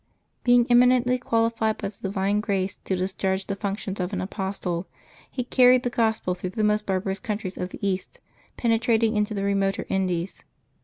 Being eminently qualified by the divine grace to discharge the functions of an apostle, he carried the Gospel through the most barbarous countries of the East, penetrating into the remoter Indies.